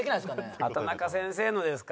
畠中先生のですか？